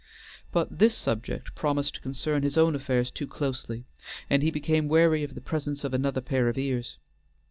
But this subject promised to concern his own affairs too closely, and he became wary of the presence of another pair of ears.